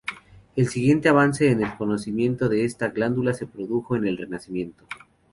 El siguiente avance en el conocimiento de esta glándula se produjo en el Renacimiento.